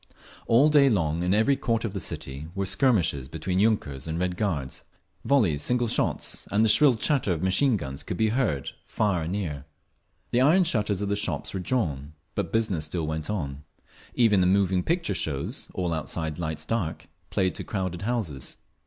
All day long in every quarter of the city there were skirmishes between yunkers and Red Guards, battles between armoured cars…. Volleys, single shots and the shrill chatter of machine guns could be heard, far and near. The iron shutters of the shops were drawn, but business still went on. Even the moving picture shows, all outside lights dark, played to crowded houses.